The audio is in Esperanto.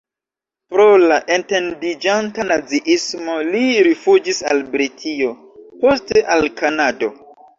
Pro la etendiĝanta naziismo li rifuĝis al Britio, poste al Kanado.